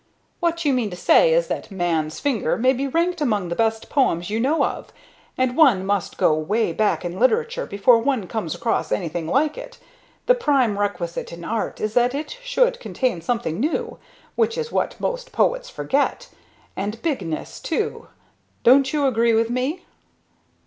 "What you mean to say is that Man's Finger may be ranked among the best poems you know of, and one must go way back in literature before one comes across anything like it. The prime requisite in art is that it should contain something new, which is what most poets forget. And bigness, too. Don't you agree with me?"